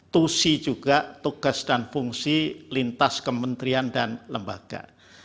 tusi juga tugas dan fungsi lintas kementerian dan lembaga